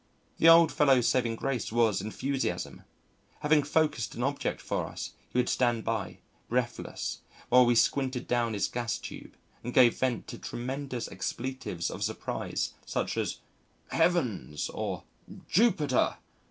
The old fellow's saving grace was enthusiasm.... Having focused an object for us, he would stand by, breathless, while we squinted down his gas tube, and gave vent to tremendous expletives of surprise such as "Heavens," or "Jupiter."